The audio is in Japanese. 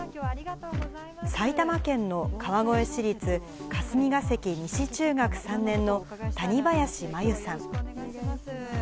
埼玉県の川越市立霞ケ関西中学３年の谷林真友さん。